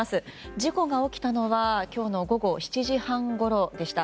事故が起きたのは今日の午後７時半ごろでした。